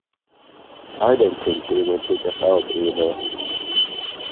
I don't think he will kick us out, either.